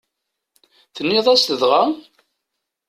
Tenniḍ-as-t dɣa?